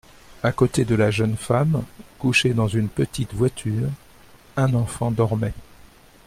A côté de la jeune femme, couché dans une petite voiture, un enfant dormait.